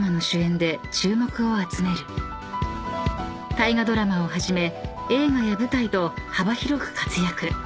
［大河ドラマをはじめ映画や舞台と幅広く活躍］